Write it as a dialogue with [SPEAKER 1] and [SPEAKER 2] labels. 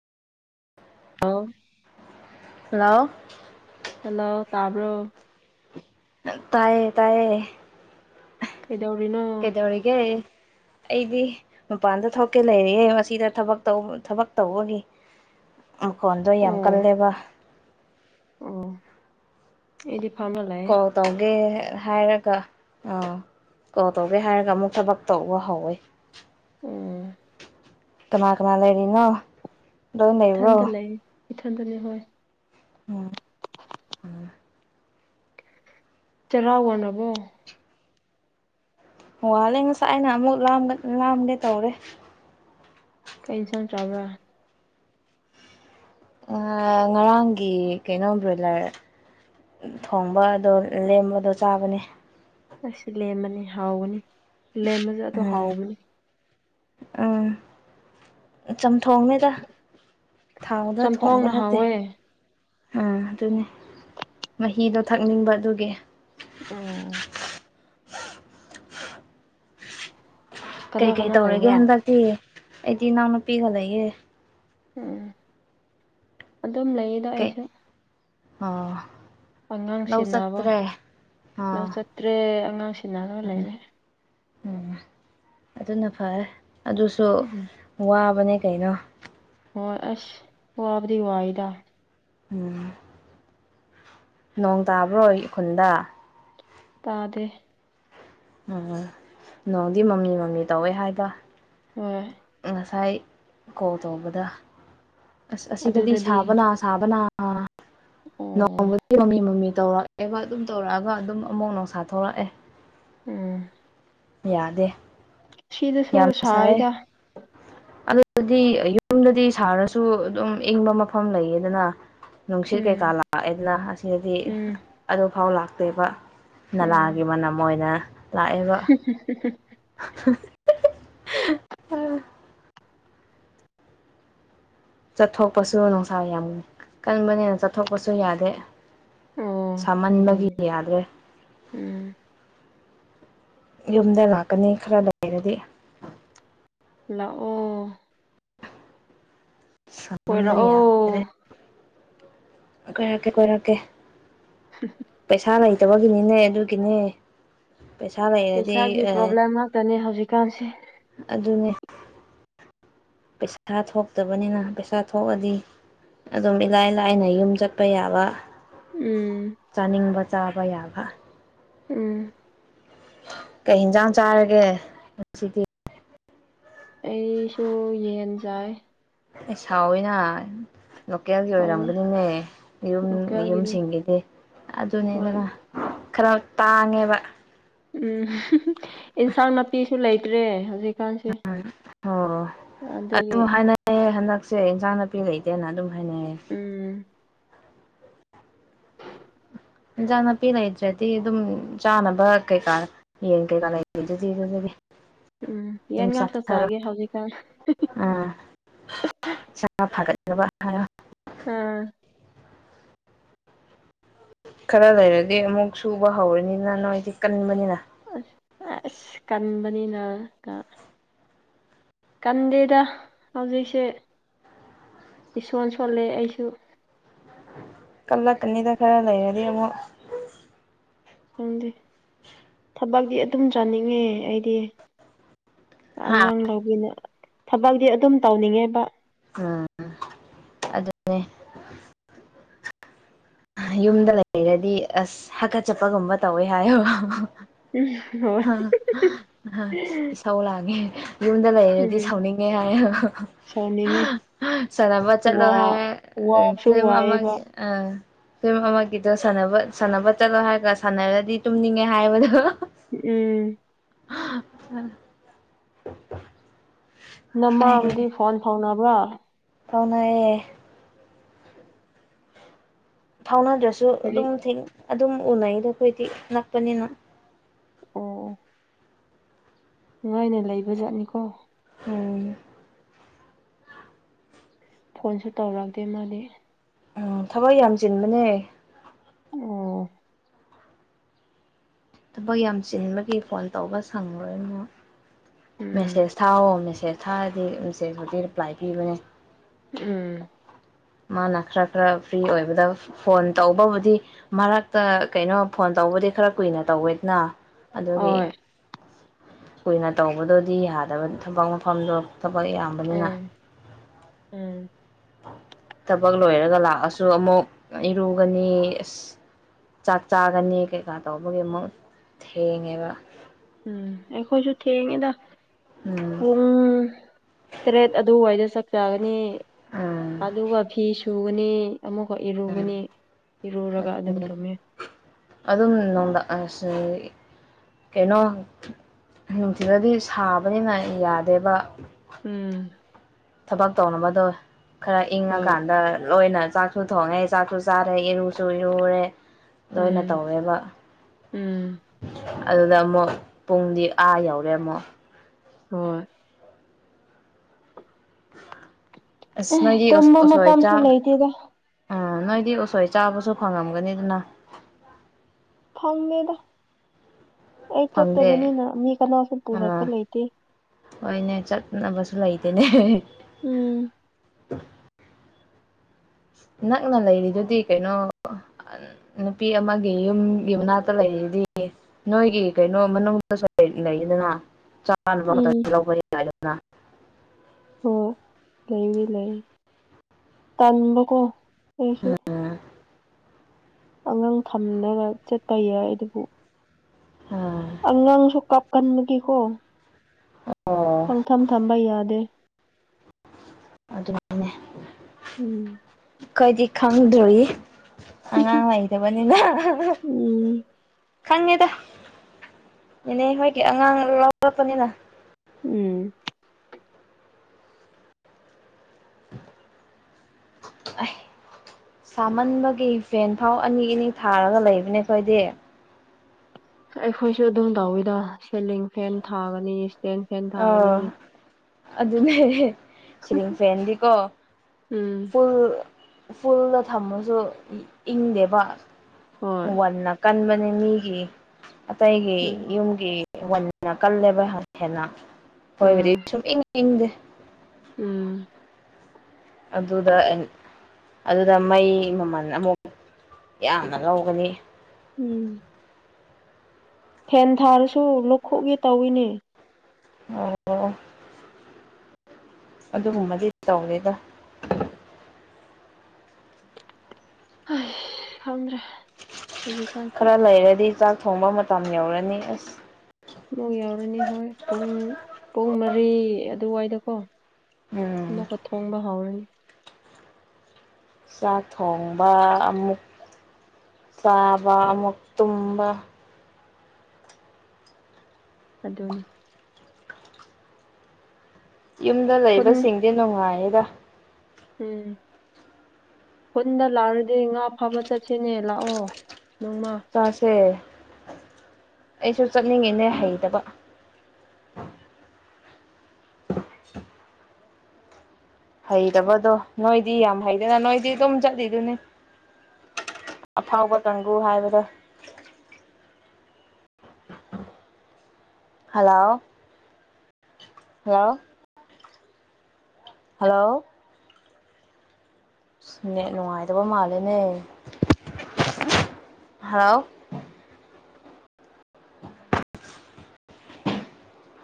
[SPEAKER 1] [unintelligible]
[SPEAKER 2] hello
[SPEAKER 1] hello ꯇꯥꯕ꯭ꯔꯣ
[SPEAKER 2] ꯇꯥꯏꯌꯦ ꯇꯥꯏꯌꯦ
[SPEAKER 1] ꯀꯩꯗꯧꯔꯤꯅꯣ
[SPEAKER 2] ꯀꯩꯗꯧꯔꯤꯒꯦ ꯑꯩꯗꯤ ꯃꯄꯥꯟꯗ ꯊꯣꯛꯀꯦ ꯂꯩꯔꯦꯑꯦ ꯑꯁꯤꯗ ꯊꯕꯛ ꯇꯧ ꯊꯕꯛ ꯇꯧꯕꯒꯤ ꯃꯈꯣꯟꯗꯣ ꯌꯥꯝ
[SPEAKER 1] ꯑꯣ
[SPEAKER 2] ꯀꯜꯂꯦꯕ
[SPEAKER 1] ꯑꯣ ꯑꯩꯗꯤ ꯐꯝꯂ ꯂꯩꯌꯦ
[SPEAKER 2] ꯀꯣꯜ ꯇꯧꯒꯦ ꯍꯥꯏꯔꯒ ꯑꯥ ꯀꯣꯜ ꯇꯧꯒꯦ ꯍꯥꯏꯔꯒ ꯑꯃꯨꯛ ꯊꯕꯛ ꯇꯧꯕ ꯍꯧꯋꯦ
[SPEAKER 1] ꯎꯝ
[SPEAKER 2] ꯀꯅꯥ ꯀꯅꯥ ꯂꯩꯔꯤꯅꯣ ꯂꯣꯏ ꯂꯩꯕ꯭ꯔꯣ
[SPEAKER 1] ꯏꯊꯟꯇ ꯂꯩ ꯏꯊꯟꯗ ꯂꯩ ꯍꯣꯏ
[SPEAKER 2] ꯎꯝ
[SPEAKER 1] ꯆꯔꯥꯋꯥꯜꯂꯕꯣ
[SPEAKER 2] ꯋꯥꯂꯦ ꯉꯁꯥꯏꯅ ꯑꯃꯨꯛ ꯂꯥꯝꯒ ꯂꯥꯝꯒꯦ ꯇꯧꯔꯦ
[SPEAKER 1] ꯀꯩ ꯑꯦꯟꯁꯥꯡ ꯆꯥꯔꯕ
[SPEAKER 2] ꯑ ꯉꯔꯥꯡꯒꯤ ꯀꯩꯅꯣ ꯕ꯭ꯔꯣꯏꯂꯔ ꯊꯣꯡꯕꯗꯣ ꯂꯦꯝꯕꯗꯣ ꯆꯥꯕꯅꯤ
[SPEAKER 1] ꯑꯩꯁꯨ ꯂꯦꯝꯃꯅꯤ ꯍꯥꯎꯒꯅꯤ ꯂꯦꯝꯃꯁꯨ ꯑꯗꯨꯝ
[SPEAKER 2] ꯎꯝ
[SPEAKER 1] ꯍꯥꯎꯕꯅꯤ
[SPEAKER 2] ꯎꯝ ꯆꯝꯊꯣꯡꯅꯤꯗ ꯊꯥꯎꯗ ꯊꯣꯡꯕ
[SPEAKER 1] ꯆꯝꯊꯣꯡꯅ
[SPEAKER 2] ꯅꯠꯇꯦ
[SPEAKER 1] ꯍꯥꯎꯋꯦ
[SPEAKER 2] ꯎꯝ ꯑꯗꯨꯅꯦ ꯃꯍꯤꯗꯣ ꯊꯛꯅꯤꯡꯕ ꯑꯗꯨꯒꯤ
[SPEAKER 1] ꯎꯝ ꯀꯅꯥ
[SPEAKER 2] ꯀꯩ ꯀꯩ
[SPEAKER 1] ꯀꯅꯥ
[SPEAKER 2] ꯇꯧꯔꯒꯦ
[SPEAKER 1] ꯂꯩꯕ꯭ꯔꯥ
[SPEAKER 2] ꯍꯟꯗꯛꯇꯤ ꯑꯩꯗꯤ ꯏꯅꯥꯎꯅꯨꯄꯤꯒ ꯂꯩꯌꯦ
[SPEAKER 1] ꯎꯝ ꯑꯗꯨꯝ ꯂꯩꯌꯦ
[SPEAKER 2] ꯀꯩ ꯑꯣ
[SPEAKER 1] ꯑꯉꯥꯡ
[SPEAKER 2] ꯂꯧ
[SPEAKER 1] ꯁꯦꯟꯅꯕ
[SPEAKER 2] ꯆꯠꯇ꯭ꯔꯦ
[SPEAKER 1] ꯂꯧ
[SPEAKER 2] ꯑꯣ
[SPEAKER 1] ꯆꯠꯇ꯭ꯔꯦ ꯑꯉꯥꯡ ꯁꯦꯟꯅꯔꯒ
[SPEAKER 2] ꯎꯝ
[SPEAKER 1] ꯂꯩꯔꯦ
[SPEAKER 2] ꯎꯝ ꯑꯗꯨꯅ ꯐꯔꯦ ꯑꯗꯨꯁꯨ
[SPEAKER 1] ꯎꯝ
[SPEAKER 2] ꯋꯥꯕꯅꯦ ꯀꯩꯅꯣ
[SPEAKER 1] ꯍꯣꯏ ꯑꯁ ꯋꯥꯕꯗꯤ ꯋꯥꯏꯗ
[SPEAKER 2] ꯎꯝ ꯅꯣꯡ ꯇꯥꯕ꯭ꯔꯣ ꯈꯨꯟꯗ
[SPEAKER 1] ꯇꯥꯗꯦ
[SPEAKER 2] ꯎꯝ ꯅꯣꯡꯗꯤ ꯃꯝꯂꯤ ꯃꯝꯂꯤ ꯇꯧꯋꯦ ꯍꯥꯏꯕ
[SPEAKER 1] ꯎꯝ
[SPEAKER 2] ꯉꯁꯥꯏ ꯀꯣꯜ ꯇꯧꯕꯗ ꯑꯁ ꯑꯁꯤꯗꯗꯤ
[SPEAKER 1] ꯑꯗꯨꯗꯗꯤ
[SPEAKER 2] ꯁꯥꯕꯅ ꯁꯥꯕꯅ ꯑꯥ
[SPEAKER 1] ꯑꯣ
[SPEAKER 2] ꯅꯣꯡꯃꯗꯤ ꯃꯝꯂꯤ ꯃꯝꯂꯤ ꯇꯧꯔꯛꯑꯦꯕ ꯑꯗꯨꯝ ꯇꯧꯔꯛꯑꯒ ꯑꯗꯨꯝ ꯑꯃꯨꯛ ꯅꯨꯡꯁꯥ ꯊꯣꯛꯂꯛꯑꯦ
[SPEAKER 1] ꯎꯝ
[SPEAKER 2] ꯌꯥꯗꯦ ꯌꯥꯝ
[SPEAKER 1] ꯁꯤꯗꯁꯨ
[SPEAKER 2] ꯁꯥꯏꯌꯦ
[SPEAKER 1] ꯁꯥꯏꯗ [inaudible]
[SPEAKER 2] ꯑꯗꯨꯗꯗꯤ ꯌꯨꯝꯗꯗꯤ ꯁꯥꯔꯁꯨ ꯑꯗꯨꯝ ꯏꯪꯕ ꯃꯐꯝ ꯂꯩꯌꯦꯗꯅ ꯅꯨꯡꯁꯤꯠ
[SPEAKER 1] ꯎꯝ
[SPEAKER 2] ꯀꯩꯀꯥ ꯂꯥꯛꯑꯦꯗꯅ ꯑꯁꯤꯗꯗꯤ
[SPEAKER 1] ꯎꯝ
[SPEAKER 2] ꯑꯗꯨꯐꯥꯎ ꯂꯥꯛꯇꯦꯕ
[SPEAKER 1] ꯎꯝ
[SPEAKER 2] ꯅꯂꯥꯒꯤ ꯃꯅꯝ ꯑꯣꯏꯅ ꯂꯥꯛꯑꯦꯕ
[SPEAKER 1] [unintelligible]
[SPEAKER 2] [unintelligible] ꯆꯠꯊꯣꯛꯄꯁꯨ ꯅꯨꯡꯁꯥ ꯌꯥꯝ ꯀꯟꯕꯅꯤꯅ ꯆꯠꯊꯣꯛꯄꯁꯨ ꯌꯥꯗꯦ
[SPEAKER 1] ꯑꯣ
[SPEAKER 2] ꯁꯥꯃꯟꯕꯒꯤ
[SPEAKER 1] ꯑꯗꯨꯅꯤ
[SPEAKER 2] ꯌꯥꯗ꯭ꯔꯦ
[SPEAKER 1] ꯎꯝ
[SPEAKER 2] ꯌꯨꯝꯗ ꯂꯥꯛꯀꯅꯤ ꯈꯔ ꯂꯩꯔꯗꯤ
[SPEAKER 1] ꯂꯥꯛꯑꯣ
[SPEAKER 2] ꯁꯥꯃꯟꯕꯒꯤ ꯌꯥꯗ꯭ꯔꯦ
[SPEAKER 1] ꯀꯣꯏꯔꯛꯑꯣ
[SPEAKER 2] ꯀꯣꯏꯔꯛꯀꯦ ꯀꯣꯏꯔꯛꯀꯦ ꯄꯩꯁꯥ ꯂꯩ ꯇꯥꯕꯒꯤꯅꯤꯅꯦ ꯑꯗꯨꯒꯤꯅꯦ ꯄꯩꯁꯥ ꯂꯩ
[SPEAKER 1] ꯄꯩꯁꯥꯒꯤ ꯄ꯭ꯔꯣꯕ꯭ꯂꯦꯝ ꯉꯥꯛꯇꯅꯦ ꯍꯧꯖꯤꯛꯀꯥꯟꯁꯦ
[SPEAKER 2] ꯑꯗꯨꯅꯦ ꯄꯩꯁꯥ ꯊꯣꯛꯇꯕꯅꯤꯅ ꯄꯩꯁꯥ ꯊꯣꯛꯑꯗꯤ ꯑꯗꯨꯝ ꯏꯂꯥꯏ ꯂꯥꯏꯅ ꯌꯨꯝ ꯆꯠꯄ ꯌꯥꯕ
[SPEAKER 1] ꯎꯝ
[SPEAKER 2] ꯆꯥꯅꯤꯡꯕ ꯆꯥꯕ ꯌꯥꯕ
[SPEAKER 1] ꯎꯝ
[SPEAKER 2] ꯀꯩ ꯍꯦꯟꯖꯥꯡ ꯆꯥꯔꯒꯦ ꯉꯁꯤꯗꯤ
[SPEAKER 1] ꯑꯩꯁꯨ ꯌꯦꯟ ꯖꯥꯏ
[SPEAKER 2] ꯑꯦꯁ ꯁꯥꯎꯋꯤꯅ ꯂꯣꯀꯦꯜꯒꯤ
[SPEAKER 1] ꯍꯧꯋꯦ
[SPEAKER 2] ꯑꯣꯏꯔꯝꯒꯅꯤꯅꯦ ꯌꯨꯝ
[SPEAKER 1] ꯂꯣꯀꯦꯜꯒꯤꯅꯤ
[SPEAKER 2] ꯌꯨꯝꯁꯤꯡꯒꯤꯗꯤ
[SPEAKER 1] ꯍꯣꯏ
[SPEAKER 2] ꯑꯗꯨꯅꯤꯗꯅ ꯈꯥꯔ ꯇꯥꯡꯉꯦꯕ
[SPEAKER 1] ꯎꯝ [unintelligible] ꯑꯦꯟꯁꯥꯡ ꯅꯥꯄꯤꯁꯨ ꯂꯩꯇ꯭ꯔꯦ ꯍꯧꯖꯤꯛ ꯀꯥꯟꯁꯤ ꯑꯗꯨꯒꯤ
[SPEAKER 2] ꯑꯦ ꯍꯟꯗꯛꯁꯦ ꯌꯦꯟꯁꯥꯡ ꯅꯥꯄꯤ ꯂꯩꯇꯦꯅ ꯑꯗꯨꯝ ꯍꯥꯏꯅꯩꯌꯦ
[SPEAKER 1] ꯎꯝ
[SPEAKER 2] ꯍꯦꯟꯖꯥꯡ ꯅꯥꯄꯤ ꯂꯩꯇ꯭ꯔꯗꯤ ꯑꯗꯨꯝ ꯆꯥꯅꯕ ꯀꯩꯀꯥ ꯌꯦꯟ ꯀꯩꯀꯥ ꯂꯩꯔꯤꯗꯨꯗꯤ ꯑꯗꯨꯗꯒꯤ
[SPEAKER 1] ꯎꯝ ꯌꯥꯟ ꯉꯥꯛꯇ ꯆꯥꯒꯦ ꯍꯧꯖꯤꯛꯀꯥꯟ
[SPEAKER 2] ꯎꯝ ꯏꯁꯥ ꯐꯒꯠꯅꯕ ꯍꯥꯏꯌꯣ
[SPEAKER 1] ꯎꯝ
[SPEAKER 2] ꯈꯔ ꯂꯩꯔꯗꯤ ꯑꯃꯨꯛ ꯁꯨꯕ ꯍꯧꯔꯅꯤꯗꯅ ꯅꯣꯏꯗꯤ ꯀꯟꯕꯅꯤꯅ
[SPEAKER 1] ꯑꯁ ꯑꯦꯁ ꯀꯟꯕꯅꯤꯅ ꯀꯥ ꯀꯟꯗꯦꯗ ꯍꯧꯖꯤꯛꯁꯦ ꯏꯁꯣꯟ ꯁꯣꯜꯂꯦ ꯑꯩꯁꯨ
[SPEAKER 2] ꯀꯜꯂꯥꯛ ꯀꯅꯤꯗ ꯈꯔ ꯂꯩꯔꯗꯤ ꯑꯃꯨꯛ
[SPEAKER 1] ꯈꯪꯗꯦ ꯊꯥꯕꯛꯇꯤ ꯑꯗꯨꯝ ꯆꯥꯅꯤꯡꯉꯦ ꯑꯩꯗꯤ
[SPEAKER 2] ꯍꯥ
[SPEAKER 1] ꯑꯉꯥꯡ ꯂꯧꯕꯤꯅ ꯊꯥꯕꯛꯗꯤ ꯑꯗꯨꯝ ꯇꯧꯅꯤꯡꯉꯦꯕ
[SPEAKER 2] ꯎꯝ ꯑꯗꯨꯅꯦ ꯌꯨꯝꯗ ꯂꯩꯔꯗꯤ ꯑꯁ ꯍꯥꯒꯠ ꯆꯠꯄꯒꯨꯝꯕ ꯇꯧꯋꯦ ꯍꯥꯏꯌꯣ [unintelligible] ꯍꯥ
[SPEAKER 1] ꯎꯝ ꯍꯣꯏ
[SPEAKER 2] ꯍꯥ [unintelligible] ꯏꯁꯧ ꯂꯡꯉꯦ ꯌꯨꯝꯗ ꯂꯩꯔꯗꯤ
[SPEAKER 1] ꯎꯝ
[SPEAKER 2] ꯁꯥꯎꯅꯤꯡꯉꯦ ꯍꯥꯏꯌꯣ
[SPEAKER 1] ꯁꯥꯎꯅꯤꯡꯉꯦ
[SPEAKER 2] [unintelligible] ꯁꯥꯟꯅꯕ ꯆꯠꯂꯣ
[SPEAKER 1] ꯋꯥ
[SPEAKER 2] ꯍꯥꯏꯔꯦ [unintelligible]
[SPEAKER 1] ꯋꯥꯁꯨ
[SPEAKER 2] ꯐꯤꯂꯤꯝ
[SPEAKER 1] ꯋꯥꯏꯑꯦꯕ
[SPEAKER 2] ꯑꯃꯥꯒꯤ ꯑꯥ ꯐꯤꯂꯤꯝ ꯑꯃꯒꯤꯗꯣ ꯁꯥꯟꯅꯕ ꯁꯥꯟꯅꯕ ꯆꯠꯂꯣ ꯍꯥꯏꯔꯒ ꯁꯥꯟꯅꯔꯗꯤ ꯇꯨꯝꯅꯤꯡꯉꯦ ꯍꯥꯏꯕꯗꯣ [unintelligible]
[SPEAKER 1] ꯎꯝ
[SPEAKER 2] [unintelligible]
[SPEAKER 1] ꯅꯃꯥꯕꯨꯗꯤ
[SPEAKER 2] ꯑꯩ
[SPEAKER 1] ꯐꯣꯟ ꯐꯥꯎꯅꯕ꯭ꯔꯥ
[SPEAKER 2] ꯐꯥꯎꯅꯩꯌꯦ ꯐꯥꯎꯅꯗ꯭ꯔꯁꯨ
[SPEAKER 1] ꯀꯔꯤ
[SPEAKER 2] ꯑꯗꯨꯝ ꯊꯦꯡ ꯑꯗꯨꯝ ꯎꯅꯩꯗ ꯑꯈꯣꯏꯗꯤ ꯅꯛꯄꯅꯤꯅ
[SPEAKER 1] ꯑꯣ ꯅꯨꯡꯉꯥꯏꯅ ꯂꯩꯕ ꯖꯥꯠꯅꯤꯀꯣ
[SPEAKER 2] ꯎꯝ
[SPEAKER 1] ꯐꯣꯟꯁꯨ ꯇꯧꯔꯛꯇ‌ꯦ ꯃꯥꯗꯤ
[SPEAKER 2] ꯑꫭ ꯊꯕꯛ ꯌꯥꯝ ꯆꯤꯟꯕꯅꯦ
[SPEAKER 1] ꯑꯣ
[SPEAKER 2] ꯊꯕꯛ ꯌꯥꯝ ꯆꯤꯟꯕꯒꯤ ꯐꯣꯟ ꯇꯧꯕ ꯁꯪꯉꯔꯣꯏ ꯃꯥ
[SPEAKER 1] ꯎꯝ
[SPEAKER 2] ꯃꯦꯁꯦꯖ ꯊꯥꯑꯣ ꯃꯦꯁꯦꯖ ꯊꯥꯔꯗꯤ ꯃꯁꯦꯖ ꯐꯥꯎꯗꯤ ꯔꯤꯄ꯭ꯂꯥꯏ ꯄꯤꯕꯅꯦ
[SPEAKER 1] ꯎꯝ
[SPEAKER 2] ꯃꯥꯅ ꯈꯔ ꯈꯔ ꯐ꯭ꯔꯤ ꯑꯣꯏꯕꯗ ꯐꯣꯟ ꯇꯧꯕꯕꯨꯗꯤ ꯃꯔꯛꯇ ꯀꯩꯅꯣ ꯐꯣꯟ ꯇꯧꯕꯗꯤ ꯈꯔ ꯀꯨꯏꯅ ꯇꯧꯋꯦꯗꯅ ꯑꯗꯨꯒꯤ
[SPEAKER 1] ꯍꯣꯏ
[SPEAKER 2] ꯀꯨꯏꯅ ꯇꯧꯕꯗꯨꯗꯤ ꯌꯥꯗꯕ ꯊꯕꯛ ꯃꯐꯝꯗꯣ ꯊꯕꯛ ꯌꯥꯝꯕꯅꯤꯅ
[SPEAKER 1] ꯎꯝ ꯎꯝ
[SPEAKER 2] ꯊꯕꯛ ꯂꯣꯏꯔꯒ ꯂꯥꯛꯑꯁꯨ ꯑꯃꯨꯛ ꯏꯔꯨꯒꯅꯤ ꯑꯁ ꯆꯥꯛ ꯆꯥꯒꯅꯤ ꯀꯩꯀꯥ ꯇꯧꯕꯒꯤ ꯑꯃꯨꯛ ꯊꯦꯡꯉꯦꯕ
[SPEAKER 1] ꯎꯝ ꯑꯩꯈꯣꯏꯁꯨ ꯊꯦꯡꯉꯦꯗ
[SPEAKER 2] ꯎꯝ
[SPEAKER 1] ꯄꯨꯡ ꯇꯔꯦꯠ ꯑꯗꯨꯋꯥꯏꯗ ꯆꯥꯛ ꯆꯥꯒꯅꯤ
[SPEAKER 2] ꯎꯝ
[SPEAKER 1] ꯑꯗꯨꯒ ꯐꯤ ꯁꯨꯒꯅꯤ ꯑꯃꯨꯛ ꯍꯣꯏ
[SPEAKER 2] ꯎꯝ
[SPEAKER 1] ꯏꯔꯨꯒꯅꯤ ꯏꯔꯨꯔꯒ ꯑꯗꯨꯝ
[SPEAKER 2] ꯑꯗꯨꯅꯦ
[SPEAKER 1] ꯇꯨꯝꯃꯦ
[SPEAKER 2] ꯑꯗꯨꯝ ꯅꯣꯡꯗꯥ ꯑꯁ ꯀꯩꯅꯣ ꯅꯨꯡꯊꯤꯟꯗꯗꯤ ꯁꯥꯕꯅꯤꯅ ꯌꯥꯗꯦꯕ
[SPEAKER 1] ꯎꯝ
[SPEAKER 2] ꯊꯕꯛ ꯇꯧꯅꯕꯗꯣ ꯈꯔ
[SPEAKER 1] ꯍꯣꯏ
[SPEAKER 2] ꯏꯪꯉꯀꯥꯟꯗ ꯂꯣꯏꯅ ꯆꯥꯛ ꯁꯨ ꯊꯣꯡꯉꯦ ꯆꯥꯛꯁꯨ ꯆꯥꯔꯦ ꯏꯔꯨꯁꯨ ꯏꯔꯨꯔꯦ ꯑꯗꯨ ꯑꯣꯏꯅ
[SPEAKER 1] ꯎꯝ
[SPEAKER 2] ꯇꯧꯋꯦꯕ
[SPEAKER 1] ꯎꯝ
[SPEAKER 2] ꯑꯗꯨꯗ ꯑꯃꯨꯛ ꯄꯨꯡꯗꯤ ꯑꯥ ꯌꯧꯔꯦ ꯑꯃꯨꯛ
[SPEAKER 1] ꯍꯣꯏ
[SPEAKER 2] ꯑꯁ
[SPEAKER 1] ꯑꯦ
[SPEAKER 2] ꯅꯣꯏꯗꯤ ꯎꯁ
[SPEAKER 1] ꯇꯨꯝꯕ
[SPEAKER 2] ꯎꯁꯣꯏ
[SPEAKER 1] ꯃꯇꯝꯁꯨ
[SPEAKER 2] ꯆꯥꯥꯎ
[SPEAKER 1] ꯂꯩꯇꯦꯗ
[SPEAKER 2] ꯎꯝ ꯅꯣꯏꯗꯤ ꯎꯁꯣꯏ ꯆꯥꯕꯁꯨ ꯐꯪꯉꯝꯒꯅꯤ ꯑꯗꯨꯅ
[SPEAKER 1] ꯐꯪꯗꯦꯗ ꯑꯩ
[SPEAKER 2] ꯐꯪꯗꯦ
[SPEAKER 1] ꯆꯠꯇꯕꯅꯤꯅ ꯃꯤ ꯀꯅꯥꯁꯨꯨ ꯄꯨꯔꯛꯄ ꯂꯩꯇꯦ
[SPEAKER 2] ꯍꫭꯏꯅꯦ ꯆꯠꯅꯕꯁꯨ ꯂꯩꯇꯦꯅꯦ
[SPEAKER 1] ꯎꯝ
[SPEAKER 2] ꯅꯛꯅ ꯂꯩꯔꯤꯗꯨꯗꯤ ꯀꯩꯅꯣ ꯅꯨꯄꯤ ꯑꯃꯒꯤ ꯌꯨꯝꯒꯤ ꯃꯅꯥꯛꯇ ꯂꯩꯔꯤꯗꯨꯗꯤ ꯅꯣꯏꯒꯤ ꯀꯩꯅꯣ ꯃꯅꯨꯡꯗꯁꯨ ꯂꯩꯗꯅ ꯆꯥꯅꯕ ꯈꯛꯇ
[SPEAKER 1] ꯎꯝ
[SPEAKER 2] ꯂꯧꯕꯅꯤ ꯌꯥꯏꯗꯅ
[SPEAKER 1] ꯑꫭ ꯂꯩꯕꯨꯗꯤ ꯂꯩꯌꯦ ꯇꯟꯕꯀꯣ ꯑꯩꯁꯨ ꯑꯉꯥꯡ ꯊꯝꯅꯕ ꯆꯠꯄ ꯌꯥꯏ ꯑꯗꯨꯕꯨ
[SPEAKER 2] ꯎꯝ
[SPEAKER 1] ꯑꯉꯥꯡꯁꯨ ꯀꯥꯞꯀꯟꯕꯗꯤꯀꯣ
[SPEAKER 2] ꯑꯣ
[SPEAKER 1] ꯄꯪꯊꯝ ꯊꯝꯕ ꯌꯥꯗꯦ
[SPEAKER 2] ꯑꯗꯨꯃꯥꯏꯅꯦ
[SPEAKER 1] ꯎꯝ
[SPEAKER 2] ꯑꯈꯣꯏꯗꯤ ꯈꯪꯗ꯭ꯔꯤ ꯑꯉꯥꯡ ꯂꯩꯗꯕꯅꯤꯅ
[SPEAKER 1] ꯎꯝ
[SPEAKER 2] ꯈꯪꯉꯦꯗ ꯏꯅꯦ ꯍꯣꯏꯒꯤ ꯑꯉꯥꯡ ꯂꯧꯔꯛꯄꯅꯤꯅ
[SPEAKER 1] ꯎꯝ
[SPEAKER 2] [inaudible] ꯁꯥꯃꯟꯕꯒꯤ ꯐꯦꯟ ꯐꯥꯎ ꯑꯅꯤ ꯑꯅꯤ ꯊꯥꯔꯒ ꯂꯩꯕꯅꯦ ꯑꯩꯈꯣꯏꯗꯤ
[SPEAKER 1] ꯑꯩꯈꯣꯏꯁꯨ ꯑꯗꯨꯝ ꯇꯧꯋꯤꯗ ꯁꯦꯂꯤꯡ ꯐꯦꯟ ꯊꯥꯒꯅꯤ ꯏꯁꯇꯦꯟ ꯐꯦꯟ ꯊꯥꯒꯅꯤ
[SPEAKER 2] ꯑꯣ ꯑꯗꯨꯅꯦ ꯁꯤꯂꯤꯡ ꯐꯦꯟꯗꯤꯀꯣ
[SPEAKER 1] ꯎꯝ
[SPEAKER 2] ꯐꯜ ꯐꯨꯜꯗ ꯊꯝꯃꯁꯨ ꯏꯪꯗꯦꯕ
[SPEAKER 1] ꯍꯣꯏ
[SPEAKER 2] ꯋꯥꯟꯅ ꯀꯟꯕꯅꯦ ꯃꯤꯒꯤ ꯑꯇꯩꯒꯤ
[SPEAKER 1] ꯎꯝ
[SPEAKER 2] ꯌꯨꯝ ꯒꯤ ꯋꯟꯅ ꯀꯜꯂꯦꯕ ꯍ ꯍꯦꯟꯅ ꯈꯣꯏꯕꯨꯗꯤ
[SPEAKER 1] ꯎꯝ
[SPEAKER 2] ꯁꯨꯡ ꯏꯪ ꯏꯪꯗꯦ
[SPEAKER 1] ꯎꯝ
[SPEAKER 2] ꯑꯗꯨꯗ ꯑꯦꯟ ꯑꯗꯨꯗ ꯃꯩ ꯃꯃꯟ ꯑꯃꯨꯛ ꯌꯥꯝꯅ ꯂꯧꯒꯅꯤ
[SPEAKER 1] ꯎꯝ ꯐꯦꯟ ꯊꯥꯔꯁꯨ ꯂꯣꯛꯈꯨꯒꯦ ꯇꯧꯏꯅꯦ
[SPEAKER 2] ꯑꯣ ꯑꯣ ꯑꯗꯨꯒꯨꯝꯕꯗꯤ ꯇꯧꯗꯦꯗ
[SPEAKER 1] ꯍꯥꯏꯁ ꯈꯡꯗꯔ꯭ꯦ
[SPEAKER 2] ꯈꯔ ꯂꯩꯔꯗꯤ ꯆꯥꯛ ꯊꯣꯡꯕ ꯃꯇꯝ ꯌꯧꯔꯅꯤ ꯑꯁ
[SPEAKER 1] ꯑꯃꯨꯛ ꯌꯧꯔꯅꯤ ꯍꯣꯏ ꯄꯨꯡ ꯄꯨꯡ ꯃꯔꯤ ꯑꯗꯨꯋꯥꯏꯗꯀꯣ
[SPEAKER 2] ꯎꯝ
[SPEAKER 1] ꯑꯃꯨꯛꯀ ꯊꯣꯡꯕ ꯍꯧꯔꯅꯤ
[SPEAKER 2] ꯆꯥꯛ ꯊꯣꯡꯕ ꯑꯃꯨꯛ ꯆꯥꯕ ꯑꯃꯨꯛ ꯇꯨꯝꯕ
[SPEAKER 1] ꯑꯗꯨꯅꯤ
[SPEAKER 2] ꯌꯨꯝꯗ
[SPEAKER 1] ꯈꯨꯟ
[SPEAKER 2] ꯂꯩꯕꯁꯤꯡꯗꯤ ꯅꯨꯡꯉꯥꯏꯌꯦꯗꯥ
[SPEAKER 1] ꯎꯝ ꯈꯨꯟꯗ ꯂꯥꯛꯔꯗꯤ ꯉꯥ ꯐꯥꯕ ꯆꯠꯁꯤꯅꯦ ꯂꯥꯛꯑꯣ ꯅꯣꯡꯃ
[SPEAKER 2] ꯆꯥꯁꯦ ꯑꯩꯁꯨ ꯆꯠꯅꯤꯡꯉꯤꯅꯦ ꯍꯩꯇꯕ ꯍꯩꯇꯕꯗꯣ ꯅꯣꯏꯗꯤ ꯌꯥꯝ ꯍꯩꯗꯅꯥ ꯅꯣꯏꯗꯤ ꯑꯗꯨꯝ ꯆꯠꯂꯤꯗꯨꯅꯤ ꯑꯐꯥꯎꯕ ꯀꯥꯡꯒꯨ ꯍꯥꯏꯕꯗꯣ ꯍꯜꯂꯥꯎ ꯍꯜꯂꯣ ꯍꯜꯂꯣ ꯅꯦꯠ ꯅꯨꯡꯉꯥꯏꯗꯕ ꯃꯥꯂꯦꯅꯦ ꯍꯜꯂꯣ